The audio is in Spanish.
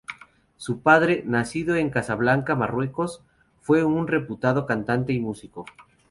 Su padre, nacido en Casablanca, Marruecos, fue un reputado cantante y músico.